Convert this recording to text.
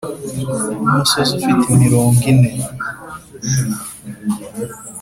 n'umusozi ufite imirongo ine,